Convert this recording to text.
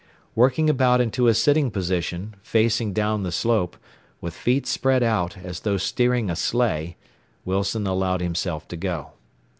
Working about into a sitting position, facing down the slope, with feet spread out, as though steering a sleigh, Wilson allowed himself to go.